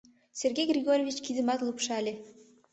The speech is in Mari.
— Сергей Григорьевич кидымат лупшале.